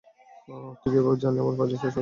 তুই কিভাবে জানলি আমার পাইলসের সমস্যা আছে?